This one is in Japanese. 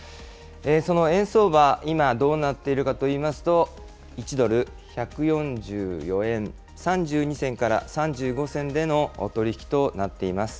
その円相場、今、どうなっているかといいますと、１ドル１４４円３２銭から３５銭での取り引きとなっています。